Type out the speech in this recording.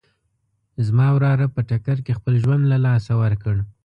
زما وراره په ټکر کې خپل ژوند له لاسه ورکړ